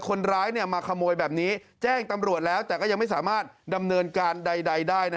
คนร้ายมาขโมยแบบนี้แจ้งตำรวจแล้วแต่ก็ยังไม่สามารถดำเนินการใดได้